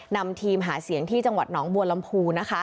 นำทีมหาเสียงที่จังหวัดหนองบัวลำพูนะคะ